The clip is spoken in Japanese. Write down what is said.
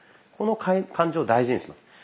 この感じを大事にします。